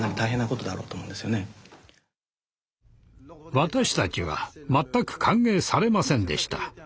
私たちは全く歓迎されませんでした。